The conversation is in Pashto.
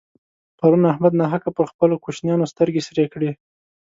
پرون احمد ناحقه پر خپلو کوشنيانو سترګې سرې کړې.